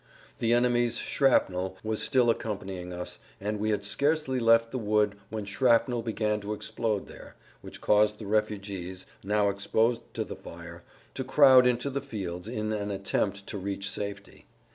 The enemy's shrapnel was still accompanying us, and we had scarcely left the wood when shrapnel began to explode there, which caused the refugees, now exposed to the fire, to crowd into the fields in an attempt to reach safety.